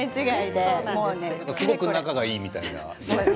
すごく仲がいいみたいな。